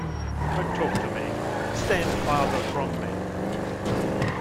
Don't talk to me, and stand farther from me!